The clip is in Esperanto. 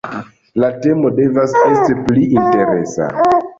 La temo devas esti pli interesa.